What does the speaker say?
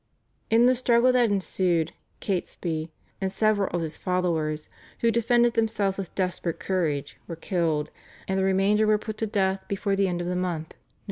In the struggle that ensued Catesby and several of his followers, who defended themselves with desperate courage, were killed, and the remainder were put to death before the end of the month (Nov.